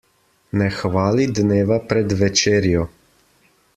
Ne hvali dneva pred večerjo.